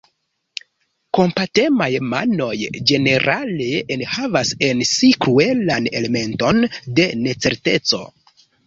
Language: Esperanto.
Kompatemaj manoj ĝenerale enhavas en si kruelan elementon de necerteco.